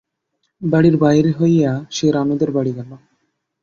বাড়ির বাহির হইয়া সে রানুদের বাড়ি গেল।